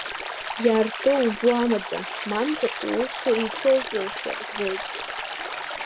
Иаарты угәы амаӡа, мамзар уусқәа еицәоутәуашәа збоит!